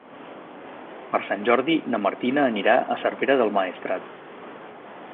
Per Sant Jordi na Martina anirà a Cervera del Maestrat.